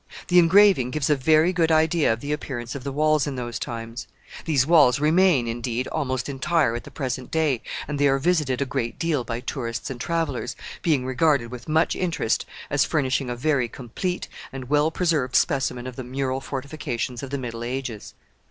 The engraving gives a very good idea of the appearance of the walls in those times. These walls remain, indeed, almost entire at the present day, and they are visited a great deal by tourists and travelers, being regarded with much interest as furnishing a very complete and well preserved specimen of the mural fortifications of the Middle Ages.